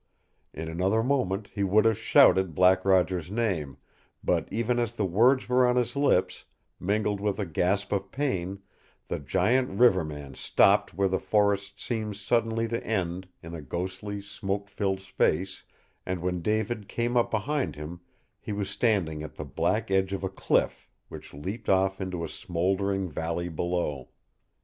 In another moment he would have shouted Black Roger's name, but even as the words were on his lips, mingled with a gasp of pain, the giant river man stopped where the forest seemed suddenly to end in a ghostly, smoke filled space, and when David came up behind him, he was standing at the black edge of a cliff which leaped off into a smoldering valley below.